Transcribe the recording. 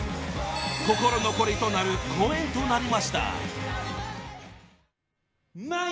［心残りとなる公演となりました］